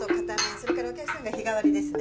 それからお客さんが日替わりですね。